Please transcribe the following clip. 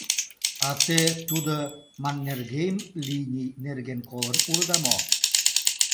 А те тудо «Маннергейм линий» нерген колын улыда мо?